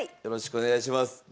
よろしくお願いします。